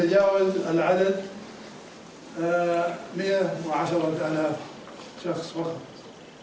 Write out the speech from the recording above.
pada tahun ini jumlah penyelesaian haji tidak lebih dari satu ratus sepuluh orang